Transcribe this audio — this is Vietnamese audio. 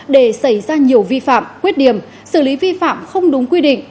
để xảy ra nhiều vi phạm khuyết điểm xử lý vi phạm không đúng quy định